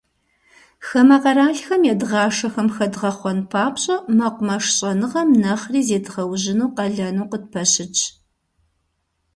Хамэ къэралхэм едгъашэхэм хэдгъэхъуэн папщӏэ, мэкъумэш щӏэныгъэм нэхъри зедгъэужьыну къалэну къытпэщытщ.